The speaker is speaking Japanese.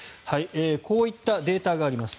こういったデータがあります。